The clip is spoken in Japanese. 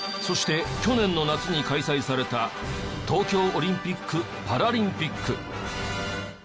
そして去年の夏に開催された東京オリンピック・パラリンピック。